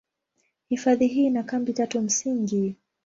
Hifadhi hii ina kambi tatu msingi.